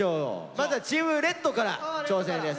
まずはチームレッドから挑戦です。